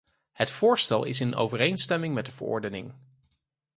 Het voorstel is in overeenstemming met de verordening.